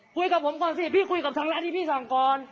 คุยกับผมก่อนสิพี่คุยกับทางร้านที่พี่สั่งก่อน